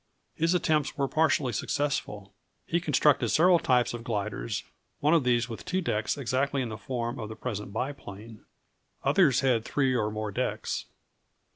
His attempts were partially successful. He constructed several types of gliders, one of these with two decks exactly in the form of the present biplane. Others had three or more decks.